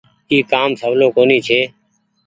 اي ڪآ م سولو ڪونيٚ ڇي ۔